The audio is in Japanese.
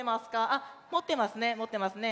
あっもってますねもってますね。